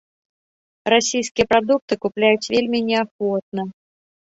Расійскія прадукты купляюць вельмі неахвотна.